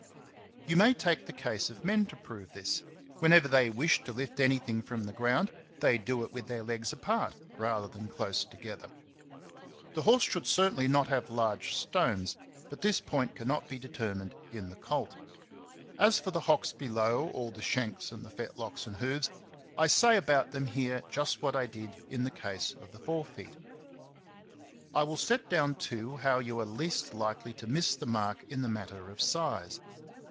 You may take the case of men to prove this ; whenever they wish to lift anything from the ground, they do it with their legs apart rather than close together. The horse should certainly not have large stones ; but this point cannot be determined in the colt. As for the hocks below, or the shanks and the fetlocks and hoofs, I say about them here just what I did in the case of the forefeet. I will set down, too, how you are least likely to miss the mark in the matter of size.